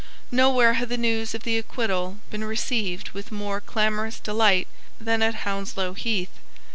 Nowhere had the news of the acquittal been received with more clamorous delight than at Hounslow Heath.